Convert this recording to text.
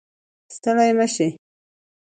ستړی مه شې